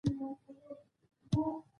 ځوانانو ته پکار ده چې، اعتماد رامنځته کړي.